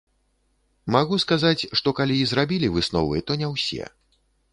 Магу сказаць, што калі і зрабілі высновы, то не ўсе.